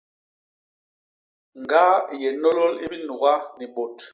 Ñgaa i yé nôlôl i binuga ni bôt.